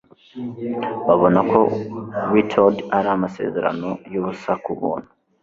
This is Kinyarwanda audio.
babona ko Wiltord ari amasezerano y'ubusa ku buntu